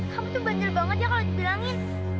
kamu tuh banjar banget ya kalau dibilangin